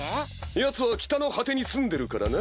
ヤツは北の果てに住んでるからな。